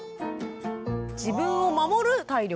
自分を守る体力。